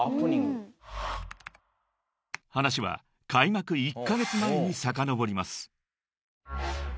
［話は開幕１カ月前にさかのぼります］